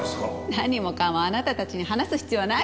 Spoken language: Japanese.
何もかもあなたたちに話す必要はないでしょう。